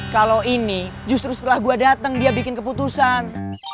kalau ini justru setelah gue datang dia bikin keputusan